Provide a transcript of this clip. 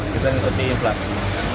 kita yang lebih inflasi